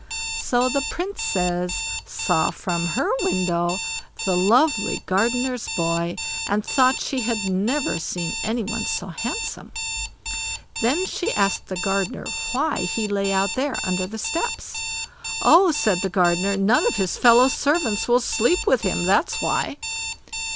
So the Princess saw from her window the lovely gardener's boy, and thought she had never seen any one so handsome. Then she asked the gardener why he lay out there under the steps. "Oh", said the gardener, "none of his fellow servants will sleep with him; that's why."